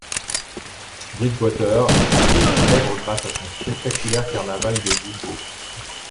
Bridgwater est célèbre grâce à son spectaculaire carnaval de Guy Fawkes.